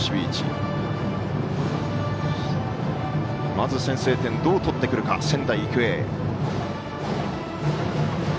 まず、先制点、どう取ってくるか仙台育英。